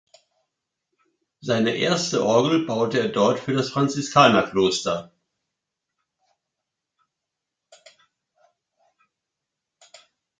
Seine erste Orgel baute er dort für das Franziskanerkloster.